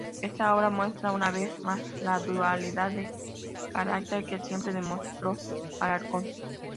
Esta obra muestra, una vez más, la dualidad de carácter que siempre demostró Alarcón.